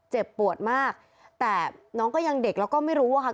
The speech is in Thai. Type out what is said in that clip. เจ็บปวดมากแต่น้องก็ยังเด็กแล้วก็ไม่รู้อะค่ะ